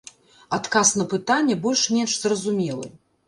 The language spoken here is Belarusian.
Адказ на пытанне больш-менш зразумелы.